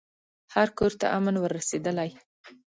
هر کورته امن ور رسېدلی